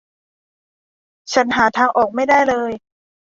ฉันหาทางออกไม่ได้เลย